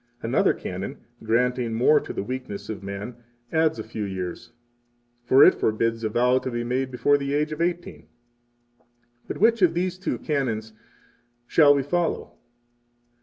32 Another Canon, granting more to the weakness of man, adds a few years; for it forbids a vow to be made before the age of eighteen. 33 But which of these two Canons shall we follow?